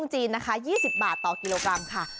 ชั่วตลอดตลาด